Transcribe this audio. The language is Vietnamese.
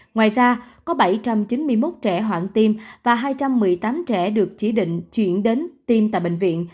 ngoài ra có bảy trăm chín mươi một trẻ hoãn tiêm và hai trăm một mươi tám trẻ được chỉ định chuyển đến tiêm tại bệnh viện